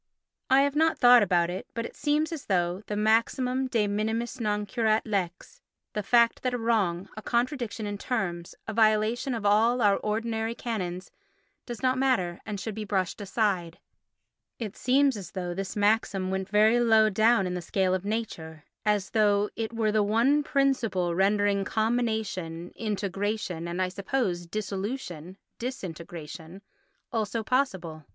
I have not thought about it, but it seems as though the maxim de minimis non curat lex—the fact that a wrong, a contradiction in terms, a violation of all our ordinary canons does not matter and should be brushed aside—it seems as though this maxim went very low down in the scale of nature, as though it were the one principle rendering combination (integration) and, I suppose, dissolution (disintegration) also, possible.